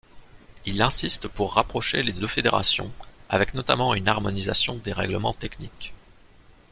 Il insiste pour rapprocher les deux fédérations, avec notamment une harmonisation des règlements techniques.